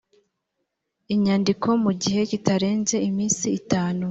nyandiko mu gihe kitarenze iminsi itanu